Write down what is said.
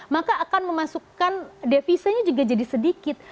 maka akan memasukkan devisanya juga jadi sedikit